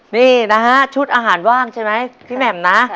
นี่นะฮะชุดอาหารว่างใช่ไหมพี่แหม่มนะ